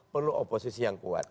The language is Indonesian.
perlu oposisi yang kuat